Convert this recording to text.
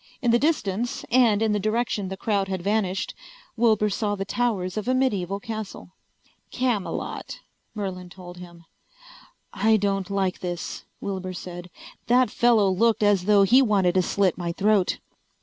In the distance, and in the direction the crowd had vanished, Wilbur saw the towers of a medieval castle. "Camelot," Merlin told him. "I don't like this," Wilbur said. "That fellow looked as though he wanted to slit my throat."